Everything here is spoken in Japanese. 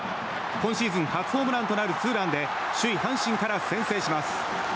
今シーズン初ホームランとなるツーランで首位、阪神から先制します。